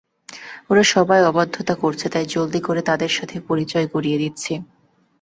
ওরা সবাই অবাধ্যতা করছে, তাই জলদি করে তাদের সাথে পরিচয় করিয়ে দিচ্ছি।